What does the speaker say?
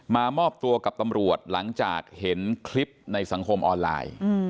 มามอบตัวกับตำรวจหลังจากเห็นคลิปในสังคมออนไลน์